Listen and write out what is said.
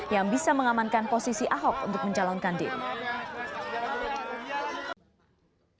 yang bisa mengamankan posisi ahok untuk mencalonkan diri